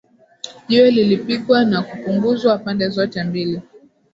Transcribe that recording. jiwe lilipigwa na kupunguzwa pande zote mbili